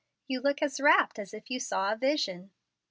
You look as rapt as if you saw a vision."